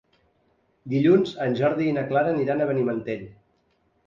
Dilluns en Jordi i na Clara aniran a Benimantell.